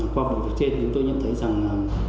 qua cuộc chiến chúng tôi nhận thấy rằng